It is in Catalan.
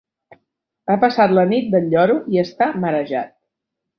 Ha passat la nit del lloro i està marejat.